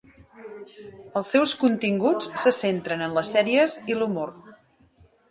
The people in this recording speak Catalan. Els seus continguts se centren en les sèries i l'humor.